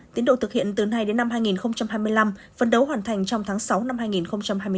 tiến độ thực hiện từ nay đến năm hai nghìn hai mươi năm phân đấu hoàn thành trong tháng sáu năm hai nghìn hai mươi bốn